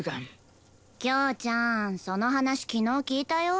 京ちゃんその話昨日聞いたよ。